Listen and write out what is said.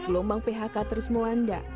lombang phk terus melanda